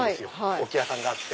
置き屋さんがあって。